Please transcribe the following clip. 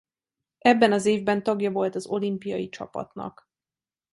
Ebben az évben tagja volt az olimpiai csapatnak.